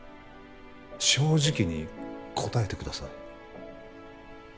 正直に答えてください